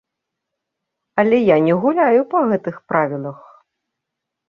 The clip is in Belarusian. Але я не гуляю па гэтых правілах.